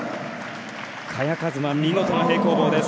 萱和磨、見事な平行棒です。